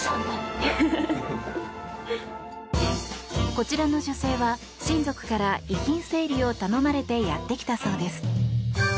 こちらの女性は親族から遺品整理を頼まれてやってきたそうです。